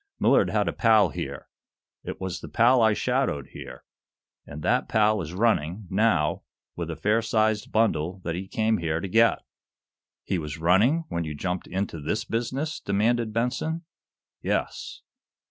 "Millard had a pal here. It was the pal I shadowed here. And that pal is running, now, with a fair sized bundle that he came here to get." "He was running when you jumped into this business?" demanded Benson. "Yes."